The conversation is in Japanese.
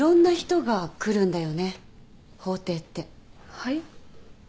はい？